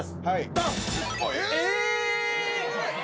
ドン！